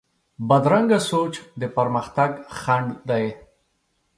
بدرنګه سوچ د پرمختګ خنډ دی